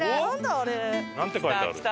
あれ。